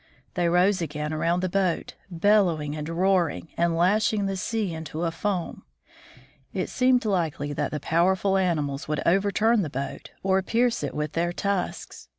They rose again around the Boat attacked by Walrus. boat, bellowing and roaring, and lashing the sea into a foam. It seemed likely that the powerful animals would overturn the boat or pierce it with their tusks.